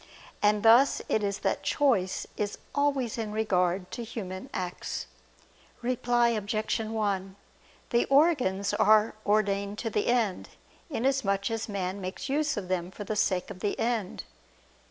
And thus it is that choice is always in regard to human acts. Reply Obj. 1: The organs are ordained to the end, inasmuch as man makes use of them for the sake of the end.